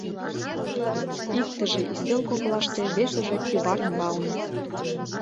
Иктыже — ӱстел коклаште, весыже — кӱвар ӱмбалне.